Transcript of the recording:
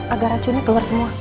agar racunya keluar semua